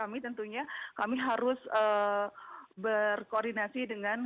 kami tentunya kami harus berkoordinasi dengan